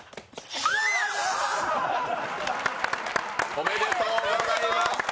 おめでとうございます！